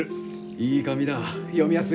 いい紙だ読みやすい。